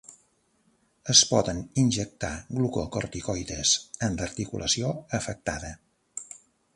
Es poden injectar glucocorticoides en l’articulació afectada.